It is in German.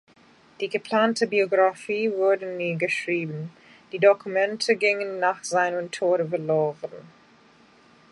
Die geplante Biographie wurde nie geschrieben, die Dokumente gingen nach seinem Tode verloren.